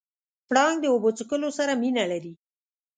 پړانګ د اوبو څښلو سره مینه لري.